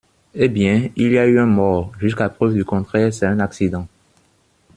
Eh bien, il y a eu un mort. Jusqu’à preuve du contraire c’est un accident.